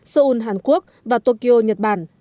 seoul hàn quốc và tokyo nhật bản